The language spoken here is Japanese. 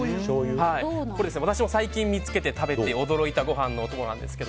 これ、私も最近見つけて食べて驚いたご飯のお供なんですが